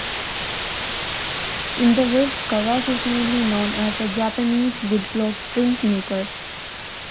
In the West, Kawase is mainly known as a Japanese woodblock printmaker.